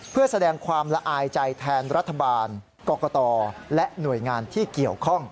เพื่อแสดงความละอายใจแทนรัฐบาลกรกตและหน่วยงานที่เกี่ยวข้อง